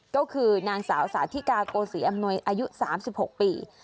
ก็คือนางสาวสาธิกาโกศรีอำนวยอายุ๓๖ปี